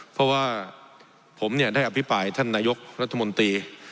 เพราะว่าผมเนี่ยได้อภิปรายท่านนายกรัฐมนตรี